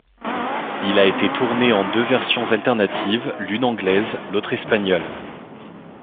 Il a été tourné en deux versions alternatives, l'une anglaise, l'autre espagnole.